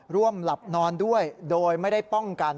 ร่วมหลับนอนด้วยโดยไม่ได้ป้องกัน